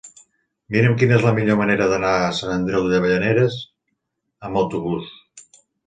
Mira'm quina és la millor manera d'anar a Sant Andreu de Llavaneres amb autobús.